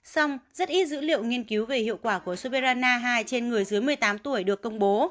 xong rất ít dữ liệu nghiên cứu về hiệu quả của sopera na hai trên người dưới một mươi tám tuổi được công bố